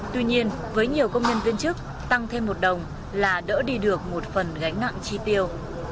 tuy nhiên với nhiều công nhân viên chức tăng thêm một đồng là đỡ đi được một phần gánh nặng chi tiêu